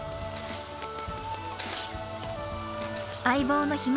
相棒のひむ